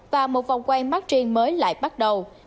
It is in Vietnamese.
và một vòng quay margin mới lại bắt đầu